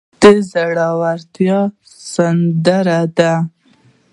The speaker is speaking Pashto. هلک د زړورتیا سندره ده.